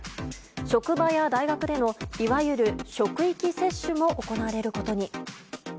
職場や大学での、いわゆる職域接種も行われることに。